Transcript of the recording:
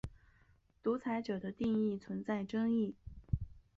独裁者的定义存在争议。